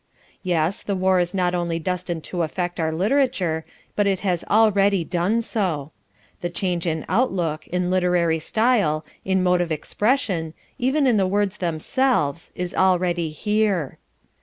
Yes, the war is not only destined to affect our literature, but it has already done so. The change in outlook, in literary style, in mode of expression, even in the words themselves is already here.